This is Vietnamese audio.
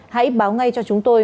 hãy báo ngay cho chúng tôi